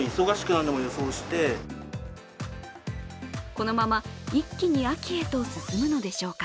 このまま一気に秋へと進むのでしょうか。